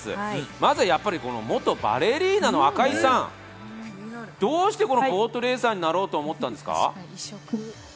まずは元バレリーナの赤井さん、どうしてこのボートレーサーになろうと思ったんですか？